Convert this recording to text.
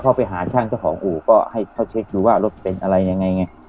เข้าไปหาช่างเจ้าของอู่ก็ให้เข้าเช็คดูว่ารถเป็นอะไรยังไงไง